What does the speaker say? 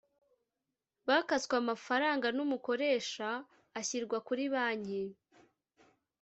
bakaswe amafaranga n Umukoresha ashyirwa kuri banki